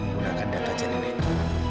menggunakan data janin itu